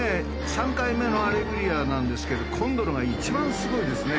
３回目のアレグリアなんですけど今度のが一番すごいですね。